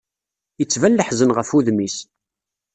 Ittban leḥzen ɣef wudem-is.